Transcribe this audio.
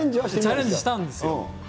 チャレンジしたんですよ。